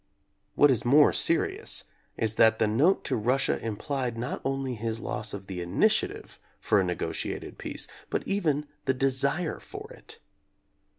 What is more serious is that the note to Russia implied not only his loss of the initiative for a negotiated peace but even the desire for it.